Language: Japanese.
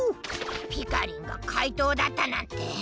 ピカリンがかいとうだったなんて。